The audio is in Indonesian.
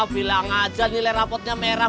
bilang aja nilai rapotnya merah